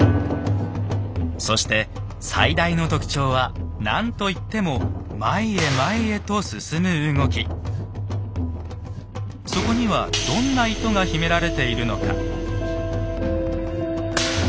そして最大の特徴は何といってもそこにはどんな意図が秘められているのか。